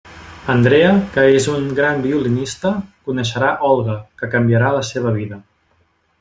Andrea, que és un gran violinista, coneixerà Olga, que canviarà la seva vida.